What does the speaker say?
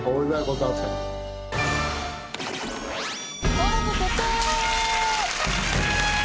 登録決定！